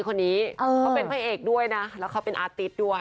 เขาเป็นฮัยเอกด้วยนะแล้วเขาเป็นอาร์ติศด้วย